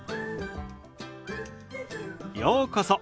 ようこそ。